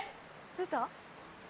出た？